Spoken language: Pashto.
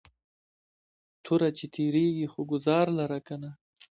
توره چې تیرېږي خو گزار لره کنه